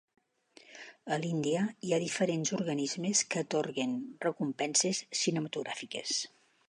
A l'Índia hi ha diferents organismes que atorguen recompenses cinematogràfiques.